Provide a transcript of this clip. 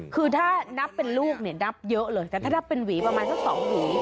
คือถ้านับเป็นลูกเนี่ยนับเยอะเลยแต่ถ้านับเป็นหวีประมาณสัก๒หวี